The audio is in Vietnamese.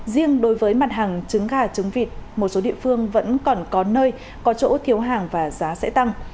riêng đối với mặt hàng trứng gà trứng vịt một số địa phương vẫn còn có nơi có chỗ thiếu hàng và giá sẽ tăng